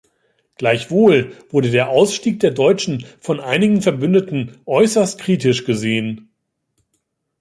Gleichwohl wurde der Ausstieg der Deutschen von einigen Verbündeten äußerst kritisch gesehen.